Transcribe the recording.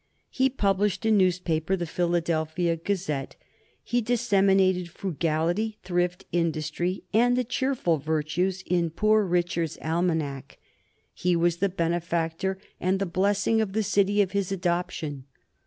He published a newspaper, the Philadelphia Gazette; he disseminated frugality, thrift, industry, and the cheerful virtues in "Poor Richard's Almanack," he was the benefactor and the blessing of the city of his adoption.